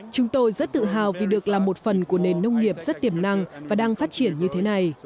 chúng tôi rất tự hào vì được làm một phần của nền nông nghiệp rất tiềm năng và đang phát triển như thế này